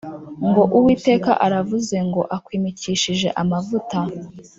ngo Uwiteka aravuze ngo akwimikishije amavuta.